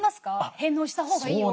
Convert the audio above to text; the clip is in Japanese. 「返納したほうがいいよ」